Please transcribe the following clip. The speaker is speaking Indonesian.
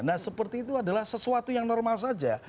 nah seperti itu adalah sesuatu yang normal saja